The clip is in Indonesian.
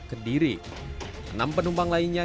kediri enam penumpang lainnya